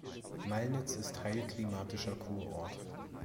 Mallnitz ist Heilklimatischer Kurort.